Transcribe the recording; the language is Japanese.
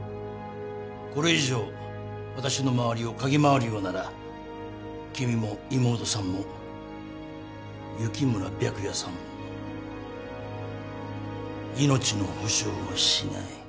これ以上私の周りを嗅ぎ回るようなら君も妹さんも雪村白夜さんも命の保証をしない。